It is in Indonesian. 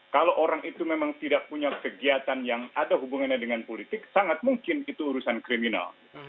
kalau orang itu memang tidak punya kegiatan yang ada hubungannya dengan politik sangat mungkin itu urusan kriminal